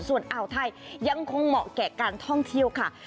ส่วนอ่าวไทยยังคงเหมาะแก่การท่องเที่ยวค่ะ